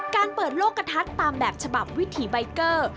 การเปิดโลกกระทัดตามแบบฉบับวิถีใบเกอร์